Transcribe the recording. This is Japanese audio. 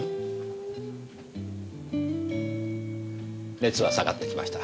熱は下がってきました。